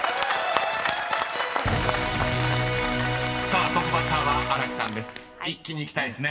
［さあトップバッターは新木さんです。